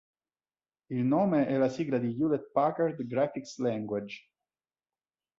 Il nome è la sigla di Hewlett-Packard Graphics Language.